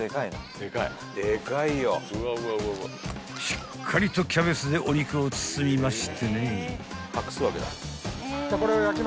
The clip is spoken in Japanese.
［しっかりとキャベツでお肉を包みましてね］